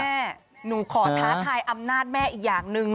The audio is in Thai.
แม่หนูขอท้าทายอำนาจแม่อีกอย่างหนึ่ง